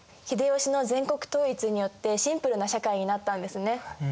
秀吉の全国統一によってシンプルな社会になったんですね。